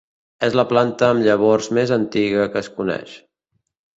És la planta amb llavors més antiga que es coneix.